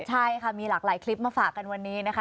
ใช่ค่ะมีหลากหลายคลิปมาฝากกันวันนี้นะคะ